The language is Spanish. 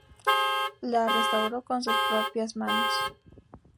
La restauró con sus propias manos.